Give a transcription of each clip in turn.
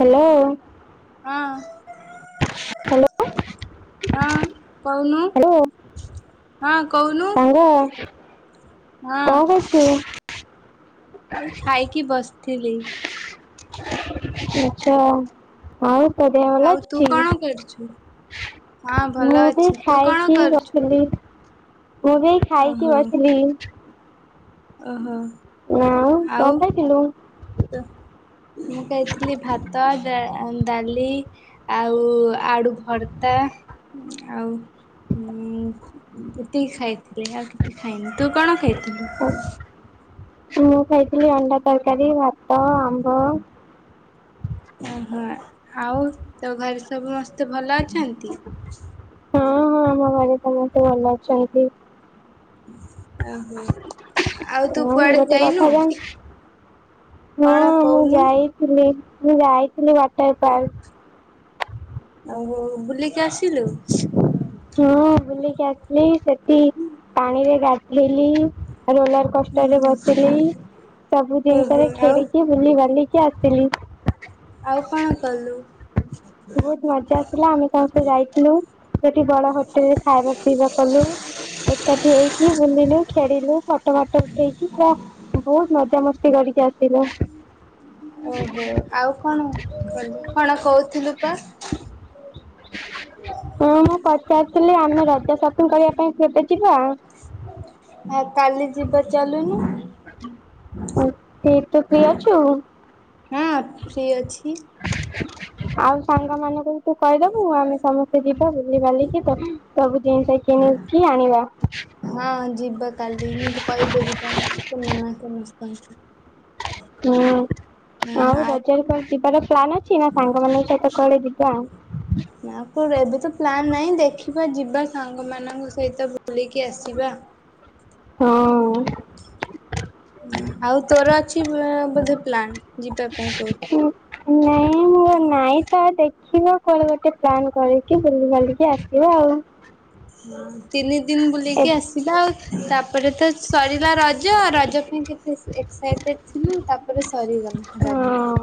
Hello. ହଁ। Hello. ହଁ କହୁନୁ ହଁ କହୁନୁ। ହଁ। କଁ କରଚୁ? ଏଇ ଖାଇକି ବସଥିଲି। ଆଚ୍ଛା ଆଉ ତୋ ଦେହ ଭଲ ଆଉ ତୁ ଅଛି? କଣ କରୁଛୁ? ହଁ ଭଲ ମୁଁ ବି ଅଛି ତୁ କଣ ଖାଇକି କରୁଛୁ? ବସତିଲି। ମୁଁ ବି ଏଇ ଖାଇକି ବସିଲି। ଅହ। ନାଁ ମ କଁ ଖାଇଥିଲୁ? ତ ମୁଁ ଖାଇଥିଲି ଭାତ, ଡା ଦାଲି ଆଉ ଆଳୁ ଭର୍ତା‌ ଆଉ ଉଁ ଏତିକି ଖାଇଥିଲି ଆଉ କିଛି ଖାଇନି। ତୁ କଣ ଖାଇ ଓ ମୁଁ ଖାଇଥିଲି ଅଣ୍ଡା ତରକାରୀ, ଭାତ, ଆମ୍ବ। ଅହ ଆଉ ତୋ ଘରେ ସମସ୍ତେ ଭଲ ଅଛନ୍ତି? ହଁ ହଁ ଆମ ଘରେ ସମସ୍ତେ ଭଲ ଅଛନ୍ତି। ଅହୋ। ଅଁ ହଁ ଗୋଟେ କଥା ଜାଣ୍ କଣ ହଁ ମୁଁ କହୁନୁ? ଯାଇ ଥିଲି ମୁଁ ଯାଇଥିଲି ୱାଟର୍ ପାର୍। ଆଉ ବୁଲିକି ଆସିଲୁ? ହଁ ବୁଲିକି ଆସଲି ସେଠି ପାଣିରେ ଗାଧେଇଲି ରୋଲର କୋଷ୍ଟରେ ହୁଁ ବସିଲି। ସବୁ ଓହୋ ଜିନିଷରେ ଆଉ ଖେଳିକି ବୁଲି ବାଲିକି ଆସିଲି। ଆଉ କଣ କଲୁ? ବୋହୁତ ମଜା ଆସିଲା। ଆମେ ସମସ୍ତେ ଯାଇଥିଲୁ ସେଠି ବଡ ହୋଟେଲରେ ଖାଇବା ପିଇବା କଲୁ। ଏକାଠି ହେଇକି ବୁଲିଲୁ ଖେଳିଲୁ ଫଟ ମଟ ଉଠେଇକି ପୁରା ବୋହୁତ ମଜାମସ୍ତି କରିକି ଆସିଲ? ଓହୋ ଆଉ କଣ କଲୁ କଣ କହୁଥିଲୁପା? [inaudible] ହଁ ମୁଁ ପଚାରିଥିଲି ଆମେ ରଜ ସପିଂଗ୍ କରିବା ପାଇଁ କେବେ ଯିବା? ଆ କାଲି ଯିବା ଚାଲୁନୁ। ଉଁ ତୁ ଫ୍ରି ଅଛୁ? ହୁଁ ଫ୍ରି ଅଛି। ଆଉ ସାଙ୍ଗ ମାନଙ୍କୁବି ତୁକହିଦବୁ ଆମେ ସମସ୍ତେ ଯିବା ବୁଲି ବାଲିକି ତ ସବୁ ଜିନିଷ କିଣିକି ଆଣିବା। ହଁ ଯିବା କାଲି ମୁଁତ କହିଦେବି କଣ ସେମାନେ ସମସ୍ତଙ୍କୁ। ହୁଁ ଆଉ ରଜରେ କୁଆଡ଼େ ଯିବାର ପ୍ଲାନ୍ ଅ ଛି ନାକଣ ସାଙ୍ଗମାନଙ୍କ ସହିତ କୁଆଡ଼େ ଯିବ? ନାପ ଏବେତ ପ୍ଲାନ୍ ନାହିଁ ଦେଖିବା ଯିବା ସାଙ୍ଗମାନଙ୍କ ସହିତ ବୁଲିକି ଆସିବା। [inaudible] ଆଉ ତୋର ଅଛି ବ ବୋଧେ ପ୍ଲାନ୍? ଯିବା ପାଇଁ କଉଠି? ନାଇଁ ମୁଁ ନାଇଁତ ଦେଖିବା କୁଆଡ଼େ ଗୋଟେ ପ୍ଲାନ୍ କରିକି ବୁଲି ବାଲିକି ଆସିବା ଆଉ। ତିନି ଦିନି ବୁଲିକି ଏବେ ଆସିବା ଆଉ ତାପରେତ ସରିଲା ର ଜ ରଜ ପାଇଁ କେତେ ଏକ୍ସାଇଟେଡ ଥିଲୁ ତାପରେ ସରିଗଲା ରଜ। ହଁ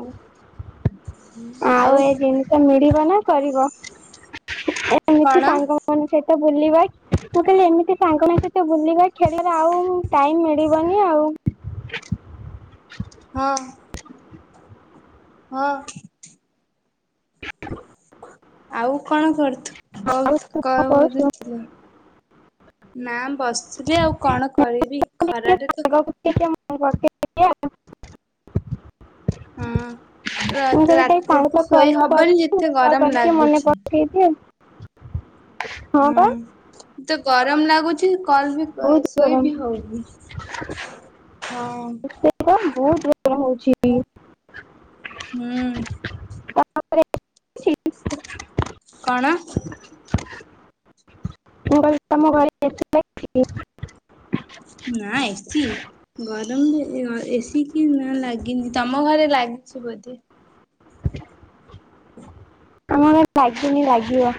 ଆଉ ତ ମିଳିବନା କରିବ ଏମିତି କଣ ସାଙ୍ଗ ଙ୍କ ସହିତ ବୁଲିବା, ତୁଖାଲି ଏମିତି ସାଙ୍ଗ ମାନଙ୍କ ସହିତ ବୁଲିବା ଖେଲିବା ଆଉ ଟାଇମ୍ ମିଳିବନି ଆଉ। ହଁ। ହଁ। ଆଉ କଣ କରୁୁ କହୁ ଆଉ କଣ କହୁଛୁ କରୁଥିଲୁ? ନା ବସିଥିଲି ଆଉ କଣ କରିବି ଟିକେ ଖରାରେ ତ [unintelligible] ହୁଁ। ରା ମୁଁ ତ କହିଲି ଟିକେ ସାଙ୍ଗ ରାତିରେତ ତ କଲ୍ ଶୋଇ ହବନି କରୁ ଯେତେ କଲ୍ ଗରମ କରିକି ମନେ ଲାଗୁଛି। ପକେଇଦିଏ ହଁ ହୁଁ ବା ଏତେ ଗରମ ଲାଗୁଚି କଲବି ବହୁତ ଗରମ ଶୋଇବି ହଉନି ହଁ। କଣ ବହୁତ୍ ଗରମ ହଉଚି ଏଠି। ହୁଁ। ତମ ଘରେ ହେଇଛି? କଣ? ମୁ କହିଲି ତମ ଘରେ [unintelligible] ନା ଏସି। ଗରମରେ ଏ ସି କି ନାଲାଗିନି ତମ ଘରେ ଲାଗିଚି ବୋଧେ? [inaudible] ଆମ ଘରେ ଲାଗିନି ଲାଗିବ।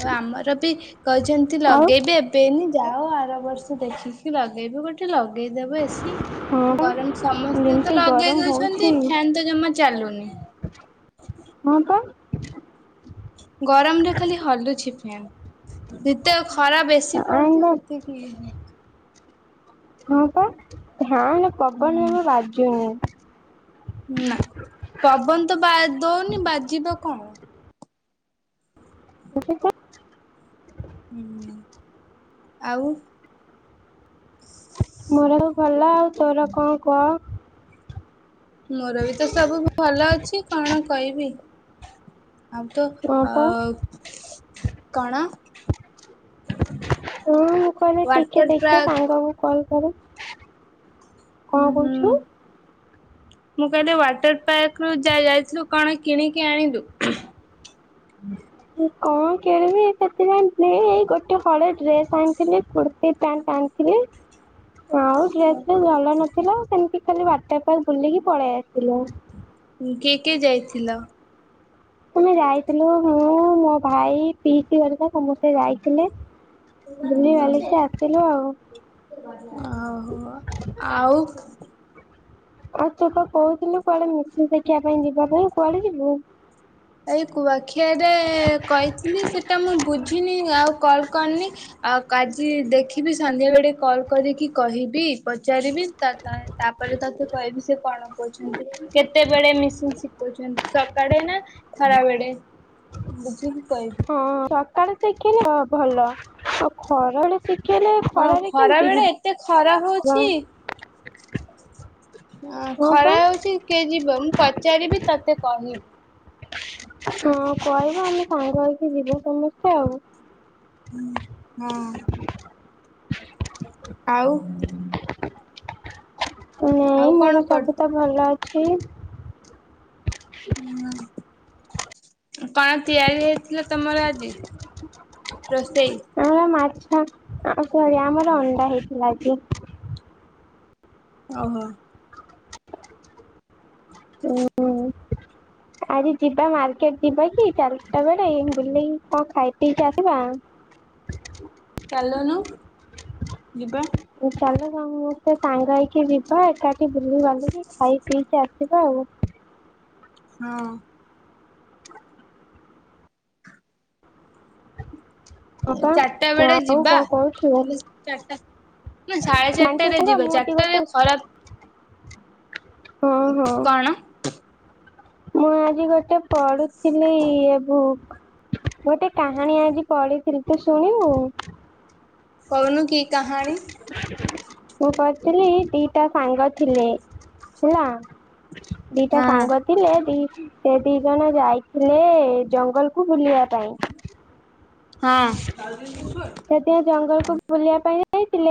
ଓଉ ଆମରବି କହିଚନ୍ତି ଆଉ ଲଗେଇବେ ପେନି ଯାଅ ଆର ବର୍ଷ ଦେଖିକି ଲଗେଇବେ ଗୋଟେ ଲଗେଇଦେବେ ଏ ସି। ହଁ ବା ଗରମ ସମସ୍ତେତ ଯେମିତି ଲଗେଇ ଗରମ ହଉଛି ଦଉଛନ୍ତି ଫ୍ୟାନତ ଜମା ଚାଲୁନି। ହଁ ପା। ଗରମ ରେ ଖାଲି ହଲୁଚି ଫ୍ୟାନ୍ ଯେତେ ଖରା ବେଶୀ ଫ୍ୟାନ୍ ପଡୁଚି ର ସେତିକି ହୁ ହଁ। ହଁ ପା ଫ୍ୟାନ ପବନ ଜମା ବାଜୁନି। ନା। ପବନ ତ ବା ଦଉନି ବାଜିବ କଣ? [unintelligible] ହୁଁ ଆଉ ମୋର ଭଲ ଆଉ ତୋର କଁ କଅ? ମୋର ବି ତ ସବୁ ଭଲ ଅଛି କଣ କଇବି? ଆଉ ତୁ ହଁ ଅ ପା କଣ? ହଁ ୱାଟର ପାର୍କ କଲ କର କଣ ହୁଁ ହୁଁ କହୁଚୁ? ମୁଁ କହିଲେ ୱାଟର ପାର୍କ ରୁ ଜା ଯାଇଥିଲୁ କଣ କିଣିକି ଆଣିଲୁ? ମୁଁ କଣ କିଣିବି ସେଥିପାଇ ଏଇ ଗୋଟେ ହଳ ଡ୍ରେସ ଆଣିଥିଲି କୁର୍ତ୍ତୀ ପ୍ୟାଣ୍ଟ ଆଣିଥିଲି। [inaudible] ଆଉ ଡ୍ରେସ ଟ ଭଲ ନଥିଲା ସେମତି ଖାଲି ୱାଟର ପାକ ବୁଲିକି ପଳେଇ ଆସିଲୁ। ଉଁ କିଏ କିଏ ଯାଇଥିଲା? ଆମେ ଯାଇଥିଲୁ ମୁଁ ମୋ ଭାଇ ପିଇସି ହେରିକା ସମସ୍ତେ ଯାଇଥିଲେ। ବୁଲି ବାଲିକି ଆସିଲୁ ଆଉ। ଓହୋ ଆଉ? ଆଉ ତୁ ତ କହୁଥିଲୁ କୁଆଡେ ମିସି ଦେଖିବା ପାଇଁ ଯିବା ପାଇଁ କୁଆଡେ ଯିବୁ? ଏଇ କୁଆଖିଆରେ କହିଥିଲି ସେଇଟା ମୁଁ ବୁଝିନି ଆଉ କଲ୍ କରିନି। ଆଉ ଆଜି ଦେଖିବି ସନ୍ଧ୍ୟା ବେଳେ କଲ କରିକି କହିବି ପଚାରିବି ତାପରେ। ତାପରେ ତୋତେ କହିବି ସେ କଣ କହୁଛନ୍ତି? କେତେବେଳେ ମିସିନ ଶିଖଉଛନ୍ତି ସକାଳେ ନା? ଖରା ବଳେ ବୁଝିବି କହିବି? ହଁ ସକାଳୁ ଦେଖଲି ଭଲ। ଖରବେଳେ ଶିଖେଇଲେ ହଁ ଖରାରେ ଖରା କେମିତି ବେଳେ ଯିବ? ଏତେ ହ ଖରା ହଉଛି କିଏ ଯିବ ମୁଁ ପଚାରିବି ତତେ କହିବି? ହଁ କହିବ ଆମେ ସାଙ୍ଗ ହେଇକି ଯିବା ସମସ୍ତେ ଆଉ। ହଁ ହଁ। [unintelligible] ଆଉ? ନାଇଁ ଆଉ କଣ ମୋର କରୁ ସବୁ ତ ଭଲ ଅଛି। ମୁଁ କଣ ତିଆରି ହେଇଥିଲା ତମର ଆଜି ରୋଷେଇ? ଆମର ମାଛ ସରି ଆମର ଅଣ୍ଡା ହେଇଥିଲା ଆଜି। ଓହୋ। ଉଁ ଆଜି ଯିବା ମାର୍କେଟ ଯିବା କି ଚାରିଟା ବେଳେ ବୁଲେଇି କଣ ଖାଇ ପିଇକି ଆସିବା? ଚାଲୁନୁ ଯିବା। ଚାଲ ସମସ୍ତେ ସାଙ୍ଗ ହେଇକି ଯିବା ଏକାଠି ବୁଲି ଗଲୁନି ଖାଇ ପିଇକି ଆସିବା ଆଉ। ହଁ। ହଁ ପା ଚାରିଟା ବେଳେ ଆଉ କଣ କହୁଛୁ? ଯିବାଲେ ଚାରଟା ନା ସାଢେ ଜାଣିଛୁ ଚାରଟାରେ ସାଙ୍ଗ ଯିବା ମୁଁ ଆଜି ଚାରଟାରେ ଖରା ହୁଁ ହୁଁ। କଣ? ମୁଁ ଆଜି ଗୋଟେ ପଢୁଥିଲି ଇଏ ବୁକ୍। ଗୋଟେ କାହାଣୀ ଆଜି ପଢିଥିଲି ତୁ ଶୁଣିବୁ? କହୁନୁ କି କାହାଣୀ? ମୁଁ କହୁଥିଲି ଦିଟା ସାଙ୍ଗ ଥିଲେ। ହେଲା? ଦିଟା ହଁ ସାଙ୍ଗ ଥିଲେ ଦି ସେ ଦି ଜଣ ଯାଇଥିଲେ ଜଙ୍ଗଲକୁ ବୁଲିବା ପାଇଁ। ହଁ। ସେତେ ଜଙ୍ଗଲକୁ ବୁଲିବା ପାଇଁ ଯାଇଥିଲେ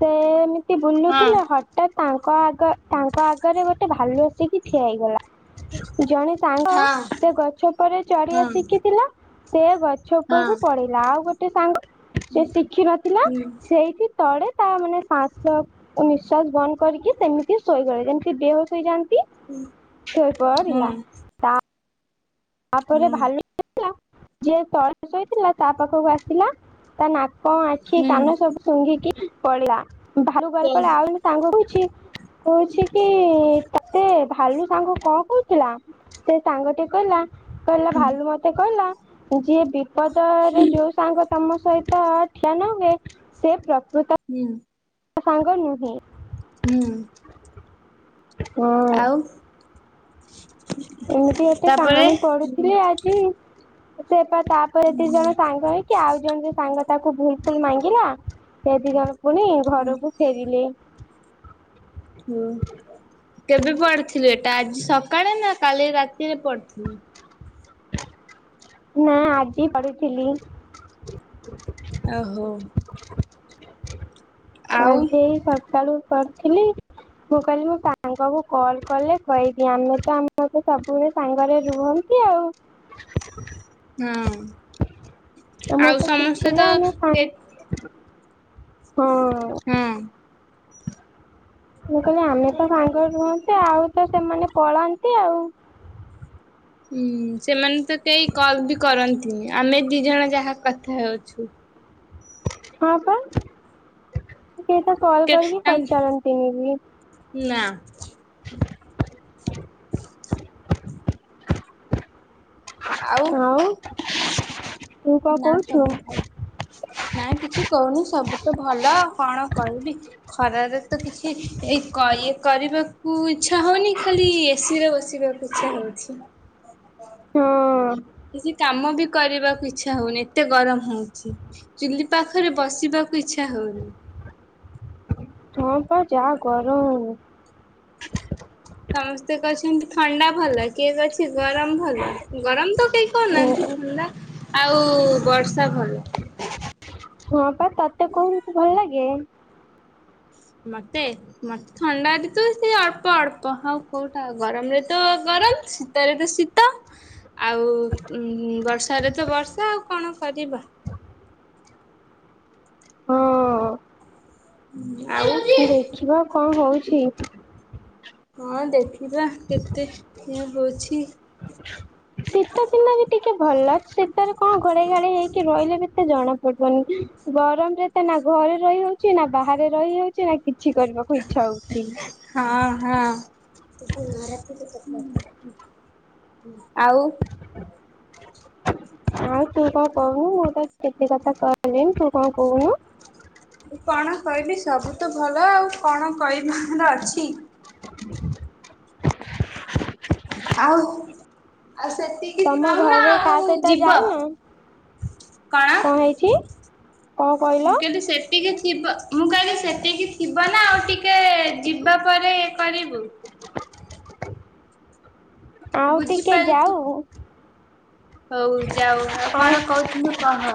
ସେମିତି ହଁ ବୁଲୁଥିଲେ ହ ଠାତ ତାଙ୍କ ଆଗ ତାଙ୍କ ଆଗରେ ଗୋଟେ ଭାଲୁ ସିକି ଠିଆ ହେଇଗଲା ଜଣେ ସାଙ୍ଗ ହଁ ସେ ଗଛ ପଉରେ ଚଢିଆ ହଁ ଶିଖିଥିଲା। ସେ ଗଛ ହଁ ଉପରକୁ ପଳେଇଲା ଆଉ ଗୋଟେ ସାଙ୍ଗ ସେ ଶିଖିନଥିଲା ହୁଁ ସେଇଠି ତଳେ ତା ମାନେ ସାସତ ନିଃଶ୍ଵାସ ବନ୍ଦ କରିକି ସେମିତି ଶୋଇଗଲେ ଯେମିତି ବେହୋସ୍ ହୋଇଯାଆନ୍ତି? ଶୋଇ ହଁ। ପରିଲା। ତାପରେ ଭାଲୁ ହୁଁ ଲା ଯିଏ ତଳେ ଶୋଇଥିଲା ତା ପାଖକୁ ଆସିଲା ତା ନା କ ଆଖି କାନ ସବୁ ଶୁଙ୍ଘିକି ପଳିଲା ଭାଲୁ ଗଲା ହୁଁ ପଳେ ଆଉ ଜଣେ ସାଙ୍ଗ କହୁଛି କହୁଛି କି ତତେ ଭାଲୁ ସାଙ୍ଗ କଣ କହୁଥିଲା ସେ ସାଙ୍ଗ ଟି କହିଲା କହିଲା ହୁଁ ଭାଲୁ ମତେ କହିଲା ଯିଏ ବିପଦରେ ଯୋଉ ସାଙ୍ଗ ତମ ସହି ତ ଠିଆ ନହୁଏ ସେ ପ୍ରକୃତ ହୁଁ। ତା ସାଙ୍ଗ ନୁହେଁ। ହୁଁ। ହଁ। ଆଉ ଏମିତି ଗୋଟେ ତାପରେ କାହାଣୀ ହୁଁ ପଢୁଥିଲି ଆଜି। ସେ ପା ତାପରେ ଦି ଜଣ ସାଙ୍ଗ ହେଇକି ଆଉ ଜଣେ ସାଙ୍ଗ ତାକୁ ଭୁଲ୍ ଫୁଲ୍ ମାଗିଲା ସେ ଦିନ ଜଣ ପୁଣି ହୁଁ ଘରକୁ ଫେରିଲେ। ହୁଁ କେବେ ପଢିଥିଲୁ ଏଟା ଆଜି ସକାଳେ ନା କାଲି ରାତିରେ ପଢିଥିଲୁ? ନା ଆଜି ପଢିଥିଲି। ଆହୋ। ଆଉ ଆଜି ଏଇ ସକାଳୁ ପଢ଼ିଥିଲି। ମୁଁ କହିଲି ମୁଁ ସାଙ୍ଗକୁ କଲ୍ କଲେ କହବି ଆମେ ତ ଆମ ତ ସବୁବେଳେ ସାଙ୍ଗରେ ରୁହନ। କିଏ ଆଉ? ହଁ ତମର ଆଉ ତ ସମସ୍ତେ କିଛି ନାହିଁ ତ ଆମେ କେ ସାଙ୍ଗ। ହଁ। ମୁଁ କହିଲି ଆମେ ତ ସାଙ୍ଗରେ ରୁହନ୍ତେ ଆଉ ତ ସେମାନେ ପଳାନ୍ତି ଆଉ। ହୁଁ ସେମାନେ ତ କେହି କଲ୍ ବି କରନ୍ତିନି ଆମେ ଦି ଜଣ ଯାହା କଥା ହେଉଛୁ। ହଁ ପା ସେ ତ କଲ୍ କେ କରିକି ପଚାରନ୍ତିନି ବି। ନା। [inaudible] ଆଉ? [inaudible] ନା କହୁଛୁ? ସବୁ ଭାଲ ନା କିଛି କହୁନି ସବୁ ତ ଭଲ ଆଉ କଣ କହିବି। ଖରାରେ ତ କିଛି ଏଇ କ ଇଏ କରିବାକୁ ଇଚ୍ଛା ହଉନି ଖାଲି ଏସି ରେ ବସିବାକୁ ଇଚ୍ଛା ହଉଛି। ହଁ। କିଛି କାମ ବି କରିବାକୁ ଇଚ୍ଛା ହଉନି ଏତେ ଗରମ ହେଉଛି। ଚୁଲି ପାଖରେ ବସିବାକୁ ଇଚ୍ଛା ହଉନି। ହଁ ପା ଯାହା ଗରମଉନି। ସମସ୍ତେ କହୁଛନ୍ତି ଥଣ୍ଡା ଭଲ କିଏ କହୁଚି ଗରମ ଭଲ ଗରମ ତ କେହି କହୁନାହାନ୍ତି ଉଁ ଥଣ୍ଡା ଆଉ ବର୍ଷା ଭଲ। ହଁ ପା ତତେ କୋଉ ଋତୁ ଭଲ ଲାଗେ? ମତେ। ମତେ ଥଣ୍ଡାରେ ତ ସେ ଅଳ୍ପ ଅଳ୍ପ ହଉ କୋଉଟା ଗରମରେ ତ ଗରମ ଶୀତରେ ତ ଶୀ ଆଉ ଉଁ ବର୍ଷାରେ ତ ବର୍ଷା ଆଉ କଣ କରିବା? ହଁ ଆ ଦେଖିବା କଁ ହଉଛି। ହଁ ଦେଖିବା କେତେ ଇଏ ହୋଉଛି। ଶୀତ ଦିନ ବି ଟିକେ ଭଲ ଶୀତରେ କଣ ଘୋଡ଼େଇ ଘାଡ଼େଇ ହେଇକି ବଇଲେ ବି ସେ ଜଣା ପଡ଼ିବନି ଗରମ ରେ ତ ନା ଘରେ ରହି ହଉଚି ନା ବାହାରେ ରହି ହଉଚି ନା କିଛି କରିବା ମୋ ଇଚ୍ଛା ହୋଉଚି। ହଁ ହଁ। ଆଉ ଆଉ ତୁ କଁ କହୁନୁ ମୁଁ ତ କେତେ କଥା କହିଲିଇଁ ତୁ କଁ କୋହୁନୁ। କଣ କହିବି ସବୁ ତ ଭଲ ଆଉ କଣ କହିବାର ଅଛି? ଆଉ ଆ ସେତି ତମ ଘରେ କା ସହିତ ଯାଇନ? କଣ? କଁ ହେଇଚି? ମୁଁ କେଦେ ସେ ଟିକେ ଥିବ ମୁଁ କହିଲି ସେତିକି ଥିବ ନା ଆଉ ଟିକେ ଯିବା ପରେ କରିବୁ? [unintelligible] ଆଉ ଟିକେ ବୁଝିପାରିଛୁ ଯାଉ ହଉ ଯାଉ ଆଉ କଣ କହୁଥିଲୁ କହ।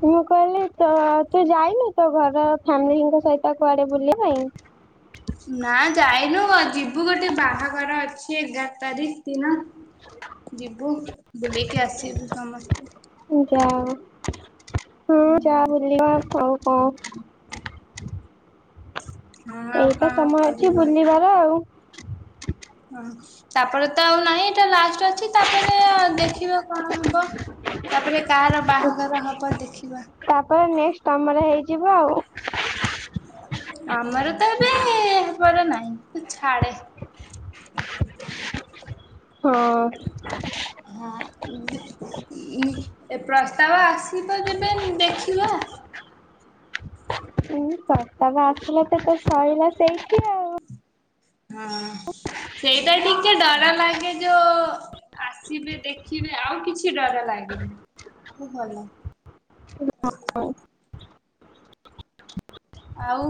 ମୁଁ କହିଲି ତ ତୁ ଯାଇନୁ ତୋ ଘର ଫ୍ୟାମିଲିଙ୍କ ସହିତ କୁଆଡ଼େ ବୁଲିଆ ପାଇଁ? ନାଁ ଯାଇନୁ ଯିବୁ ଗୋଟେ ବାହାଘର ଅଛି ଏଗାର ତାରିକ୍ ଦିନ। ଯିବୁ ବୁଲିକି ଆସିବୁ ସମସ୍ତେ। ଯାଅ ହୁଁ ଯା ବୁଲିବ ଆ‌‌‌ଉ କଁ କଁ? ହଁ ଆଉ କଣ କରିବା? ତ ଆଉ ହଁ ତାପରେ ତ ଆଉ ନାହିଁ ଏଟା ଲାଷ୍ଟ ଅଛି ତାପରେ ଦେଖିବା କଣ ହବ। ତାପରେ କାହାର ବାହାଘର ହବ ଦେଖିବା। ତାପରେ ନେକ୍ସଟ ତମର ହେଇଯିବ ଆଉ। ଆମର ତ ଏବେ ହେବାର ନାହିଁ ତୁ ଛାଡେ ହଁ। ହଁ ଇବି ଇ ଏ ପ୍ରସ୍ତାବ ଆସିବ ଯେବେ ଦେଖିବା। ଉଁ ପ୍ରସ୍ତାବ ଆସିଲା ତୋର ତ ସଇଲା ସେଇଠି ଆଉ। ହଁ ସେଇଟା ଟିକେ ଡର ଲାଗେ ଯୋ ଆସିବେ ଦେଖିବେ ଆଉ କିଛି ଡର ଲାଗେନି ମୁଁ ଭଲ ଉ ହଁ। ଆଉ?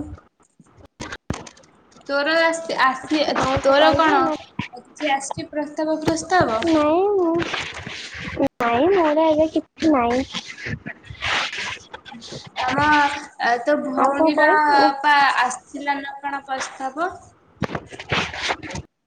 ତୋର ଆସି ଆଶଚି ଆଉ ତୋର କହିବୁ କଣ ନା ଆଜି ଆସିଛି ପ୍ରସ୍ତାବ ଫ୍ରସ୍ତାବ। ନାଇଁ ମୁଁ ନାଇଁ ମୋର ଏବେ କିଛି ନାଇଁ। ତମ ଏ ତୋ ଆଉ କଣ ଭଉଣୀର କହିବୁ? ପା ଆସିଥିଲା ନା କଣ ପ୍ରସ୍ତାବ। [unintelligible]